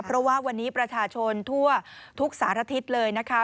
เพราะว่าวันนี้ประชาชนทั่วทุกสารทิศเลยนะคะ